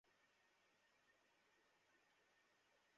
ছেলেরা নিয়োগকৃত সব মাস্টারকে তাড়িয়ে দেয়।